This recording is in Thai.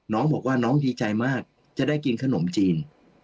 น้องบอกว่าน้องดีใจมากจะได้กินขนมจีน